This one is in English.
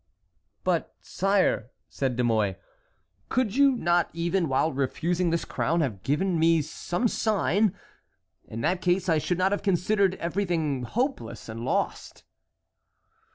"But, sire," said De Mouy, "could you not even while refusing this crown have given me some sign? In that case I should not have considered everything hopeless and lost."